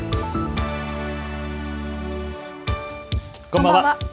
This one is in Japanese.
こんばんは。